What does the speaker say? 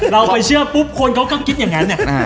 เราไปเชื่อปุ๊บคนเขาก็คิดอย่างนั้น